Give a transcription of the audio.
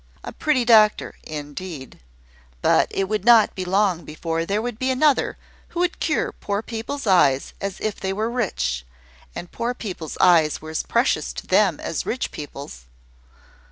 A pretty doctor, indeed! But it would not be long before there would be another who would cure poor people's eyes as if they were rich: and poor people's eyes were as precious to them as rich people's.